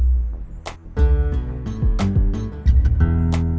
ibu tengah nanggur gimana tuhan